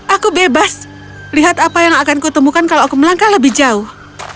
aku bebas lihat apa yang akan kutemukan kalau aku melangkah lebih jauh